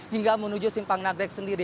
hingga menuju simpang nagrek sendiri